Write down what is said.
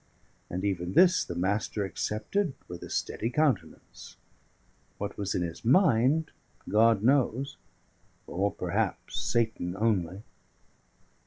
And even this the Master accepted with a steady countenance; what was in his mind, God knows, or perhaps Satan only.